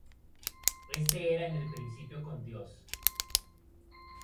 Este era en el principio con Dios.